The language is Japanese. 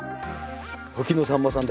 時のさんまさんと。